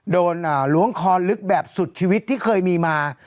ล้วงคอลึกแบบสุดชีวิตที่เคยมีมา